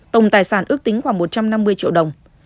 tổng tài sản ước tính khoảng một trăm năm mươi triệu đồng